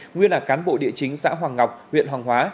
nguyên là cán bộ địa chính xã hoàng ngọc huyện hoàng hóa